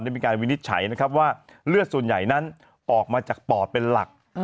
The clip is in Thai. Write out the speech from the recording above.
มีการวินิจฉัยนะครับว่าเลือดส่วนใหญ่นั้นออกมาจากปอดเป็นหลัก